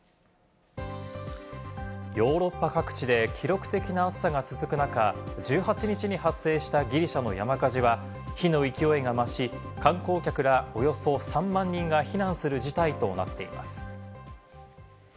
ヨーロッパ各地で記録的な暑さが続く中、１８日に発生したギリシャの山火事は火の勢いが増し、観光客らおよそ３万人が避難する事態となっています。